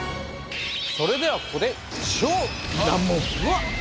それではここで超難問